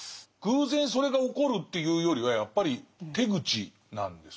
偶然それが起こるっていうよりはやっぱり手口なんですね。